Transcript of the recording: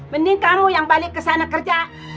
mending kamu yang balik ke sana kerja